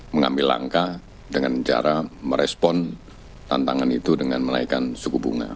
mengambil langkah dengan cara merespon tantangan itu dengan menaikkan suku bunga